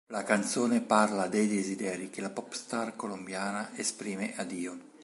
La canzone parla dei desideri che la Popstar colombiana esprime a Dio.